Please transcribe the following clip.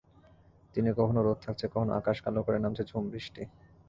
দিনে কখনো রোদ থাকছে, কখনো আকাশ কালো করে নামছে ঝুম বৃষ্টি।